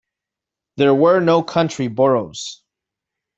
There were no county boroughs.